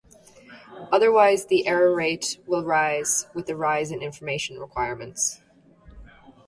Otherwise the error rate will rise with the rise in information requirements.